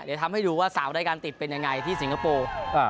เดี๋ยวทำให้ดูว่า๓รายการติดเป็นยังไงที่สิงคโปร์